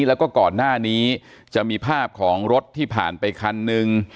แล้วก็ก่อนหน้านี้จะมีภาพของรถที่ผ่านไปคันนึง